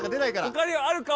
ほかにはあるか？